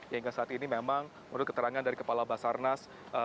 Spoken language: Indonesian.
hingga saat ini memang menurut keterangan dari kepala basarnas